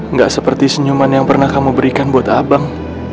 nggak seperti senyuman yang pernah kamu berikan buat abang